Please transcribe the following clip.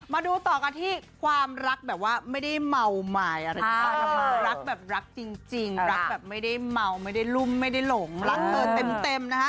มาดูต่อกันที่ความรักแบบว่าไม่ได้เมาหมายรักแบบรักจริงรักแบบไม่ได้เมาไม่ได้ลุมไม่ได้หลงรักเกินเต็ม